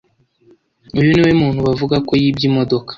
Uyu niwe muntu bavuga ko yibye imodoka.